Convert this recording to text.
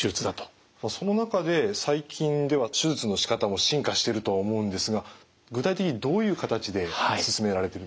その中で最近では手術のしかたも進化してると思うんですが具体的にどういう形で進められてるんでしょう？